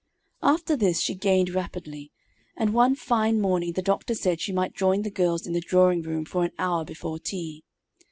After this she gained rapidly, and one fine morning the doctor said she might join the girls in the drawing room for an hour before tea.